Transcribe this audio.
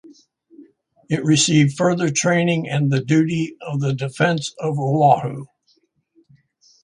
It received further training and the duty of the defense of Oahu.